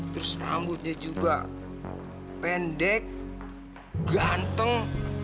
terus rambutnya juga pendek ganteng